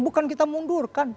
bukan kita mundurkan